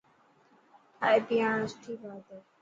ٽاڻي پياڻڻ سٺي بات هي.